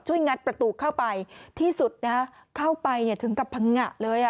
ช่วยงัดประตูเข้าไปที่สุดเข้าไปถึงกับพังงะเลย